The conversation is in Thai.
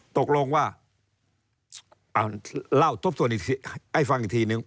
หลักลงว่าเล่าทบส่วนให้ฟังอีกทีหนึ่ง